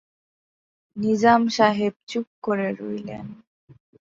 নিজাম সাহেব চুপ করে রইলেন।